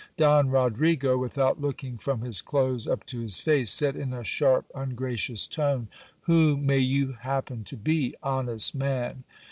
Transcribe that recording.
Don Rodrigo, without looking from his clothes up to his face, said in a sharp, ungracious tone — Who may you happen to be, honest man?